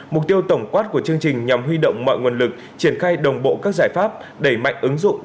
mục tiêu tổng quát của chương trình nhằm huy động mọi nguồn lực triển khai đồng bộ các giải pháp đẩy mạnh ứng dụng